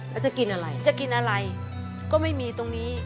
แล้วจะกินอะไรจะกินอะไรก็ไม่มีตรงนี้